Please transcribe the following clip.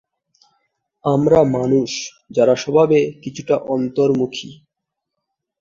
আমরা মানুষ, যারা স্বভাবে কিছুটা অন্তর্মুখী।